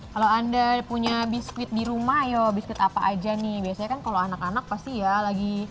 kalau anda punya biskuit di rumah yuk biskuit apa aja nih biasanya kan kalau anak anak pasti ya lagi